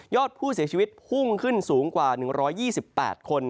อดผู้เสียชีวิตพุ่งขึ้นสูงกว่า๑๒๘คน